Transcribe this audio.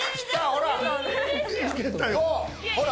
ほら。